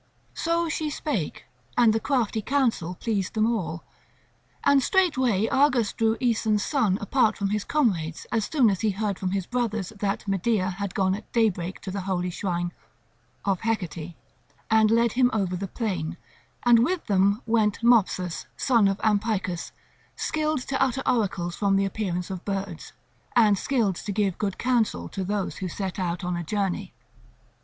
So she spake, and the crafty counsel pleased them all. And straightway Argus drew Aeson's son apart from his comrades as soon as he heard from his brothers that Medea had gone at daybreak to the holy shrine of Hecate, and led him over the plain; and with them went Mopsus, son of Ampycus, skilled to utter oracles from the appearance of birds, and skilled to give good counsel to those who set out on a journey.